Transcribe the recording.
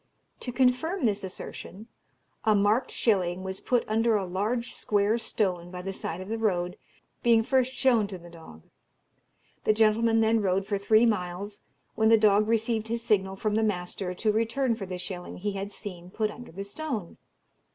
To confirm this assertion, a marked shilling was put under a large square stone by the side of the road, being first shown to the dog. The gentlemen then rode for three miles, when the dog received his signal from the master to return for the shilling he had seen put under the stone.